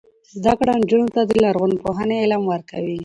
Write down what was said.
زده کړه نجونو ته د لرغونپوهنې علم ورکوي.